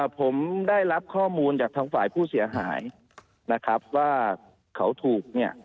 ผมได้รับข้อมูลจากทางฝ่ายผู้เสียหายนะครับว่าเขาถูกเนี่ย